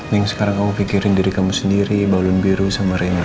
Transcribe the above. yang sekarang kamu pikirin diri kamu sendiri balun biru sama renar